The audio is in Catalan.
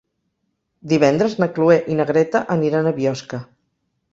Divendres na Cloè i na Greta aniran a Biosca.